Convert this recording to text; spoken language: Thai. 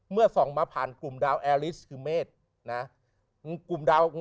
เมื่อซ่องมาผ่านกลุ่มดาวแอลิสไม่ทราบไป